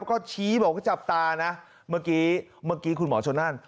ก็ชี้บอกว่าจับตานะเมื่อกี้คุณหมอชนนั่น